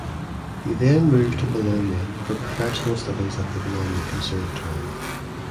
He then moved to Bologna for professional studies at the Bologna Conservatory.